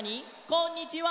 「こんにちは」「」